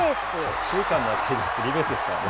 左中間の当たりがスリーベースですからね。